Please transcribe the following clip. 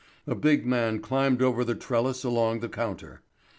A big man climbed over the trellis along the counter.